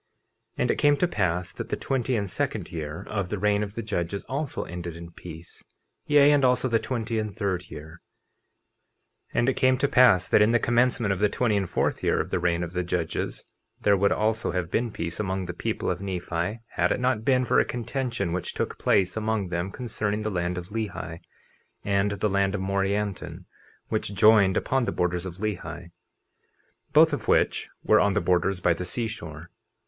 50:24 And it came to pass that the twenty and second year of the reign of the judges also ended in peace; yea, and also the twenty and third year. 50:25 And it came to pass that in the commencement of the twenty and fourth year of the reign of the judges, there would also have been peace among the people of Nephi had it not been for a contention which took place among them concerning the land of Lehi, and the land of Morianton, which joined upon the borders of Lehi; both of which were on the borders by the seashore.